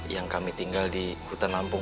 yang kami tinggal di hutan lampung